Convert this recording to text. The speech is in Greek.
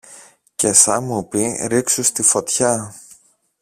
Και σα μου πει ρίξου στη φωτιά